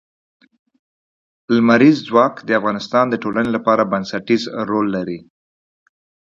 لمریز ځواک د افغانستان د ټولنې لپاره بنسټيز رول لري.